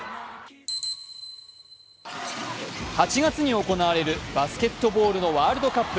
８月に行われるバスケットボールのワールドカップ。